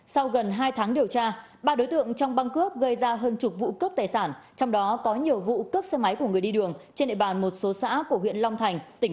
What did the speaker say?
sau gần hai tháng điều tra ba đối tượng trong băng cướp gây ra hơn chục vụ cướp tài sản trong đó có nhiều vụ cướp xe máy của người đi đường trên địa bàn một số xã của huyện long thành